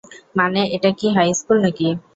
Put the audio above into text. মানে, এটা কি হাইস্কুল নাকি?